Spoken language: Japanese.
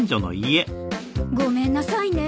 ごめんなさいね。